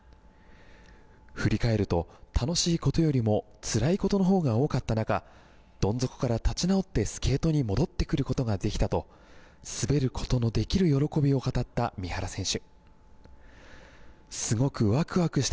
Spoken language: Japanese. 振り返ると楽しいことよりもつらいことのほうが多かった中どん底から立ち直ってスケートに戻ることができたと滑ることのできる喜びを語った三原選手。